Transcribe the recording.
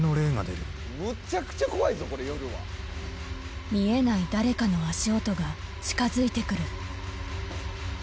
むっちゃくちゃ怖いぞこれ夜は「見えない誰かの足音が近づいてくる」